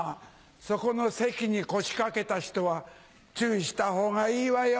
そこの席に腰掛けた人は注意した方がいいわよ。